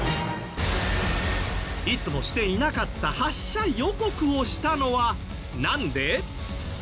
いつもしていなかった発射予告をしたのはなんで？